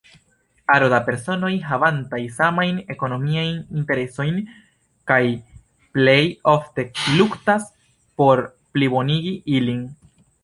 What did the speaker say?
Aro da personoj havantaj samajn ekonomiajn interesojn, kaj plej ofte luktas por plibonigi ilin.